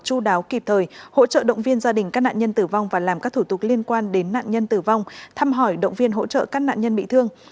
chú đáo kịp thời hỗ trợ động viên gia đình các nạn nhân tử vong và làm các thủ tục liên quan đến nạn nhân tử vong thăm hỏi động viên hỗ trợ các nạn nhân bị thương